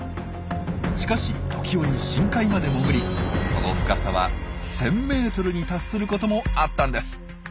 しかし時折深海まで潜りその深さは１，０００ｍに達することもあったんです。